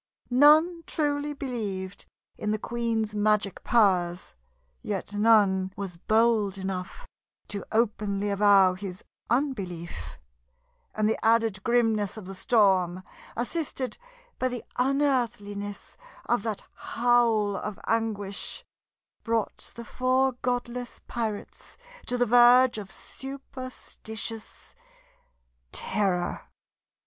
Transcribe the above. None truly believed in the queen's magic powers; yet none was bold enough to openly avow his unbelief; and the added grimness of the storm, assisted by the unearthliness of that howl of anguish, brought the four godless pirates to the verge of superstitious terror.